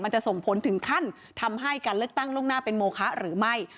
จะส่งผลถึงขั้นทำให้การเลือกตั้งล่วงหน้าเป็นโมคะหรือไม่